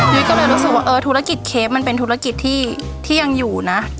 ก็เลยรู้สึกว่าธุรกิจเชฟมันเป็นธุรกิจที่ยังอยู่นะ